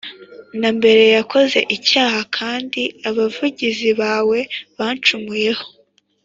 na mbere yakoze icyaha j kandi abavugizi bawe bancumuyeho